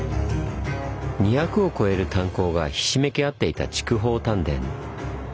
２００を超える炭鉱がひしめき合っていた筑豊炭田。